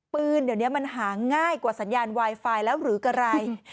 เดี๋ยวนี้มันหาง่ายกว่าสัญญาณไวไฟแล้วหรืออะไร